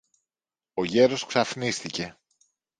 Ο γέρος ξαφνίστηκε.